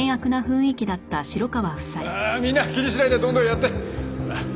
ああみんな気にしないでどんどんやって！